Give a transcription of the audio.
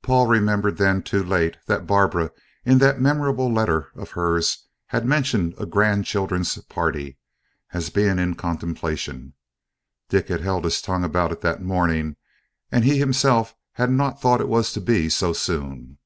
Paul remembered then, too late, that Barbara in that memorable letter of hers had mentioned a grand children's party as being in contemplation. Dick had held his tongue about it that morning; and he himself had not thought it was to be so soon.